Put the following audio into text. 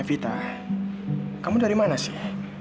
vita kamu dari mana sih